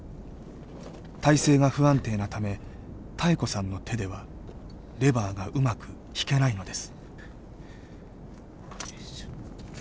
体勢が不安定なため妙子さんの手ではレバーがうまく引けないのです。